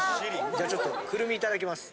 じゃあちょっとくるみいただきます。